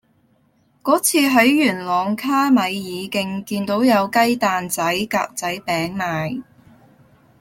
嗰次喺元朗卡米爾徑見到有雞蛋仔格仔餅賣